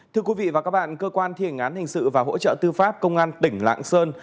thưa quý vị và các bạn cơ quan thi hành án hình sự và hỗ trợ tư pháp công an tỉnh lạng sơn